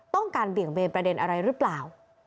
เบี่ยงเบนประเด็นอะไรหรือเปล่า